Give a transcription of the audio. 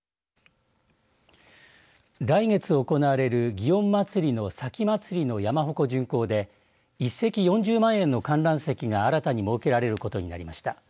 来月行われる祇園祭の前祭の山ほこ巡行で１席４０万円の観覧席が新たに設けられることになりました。